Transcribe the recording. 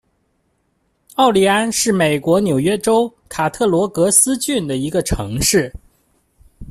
奥利安是美国纽约州卡特罗格斯郡的一个城市。